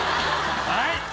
［はい。